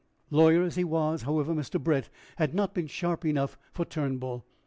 Lawyer as he was, however, Mr. Brett had not been sharp enough for Turnbull.